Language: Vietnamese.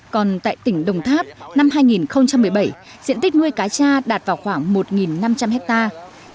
còn tại tỉnh đồng tháp năm hai nghìn một mươi bảy diện tích nuôi cá cha đạt vào khoảng một năm trăm linh hectare